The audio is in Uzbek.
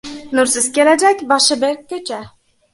Nursiz kelajak, boshi berk ko‘cha...